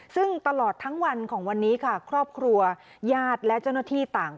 ซึ่งตลอดทั้งวันของวันนี้ค่ะครอบครัวญาติและเจ้าหน้าที่ต่าง